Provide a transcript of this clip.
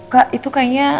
kak itu kayaknya